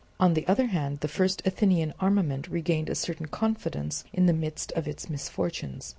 On the other hand, the first Athenian armament regained a certain confidence in the midst of its misfortunes.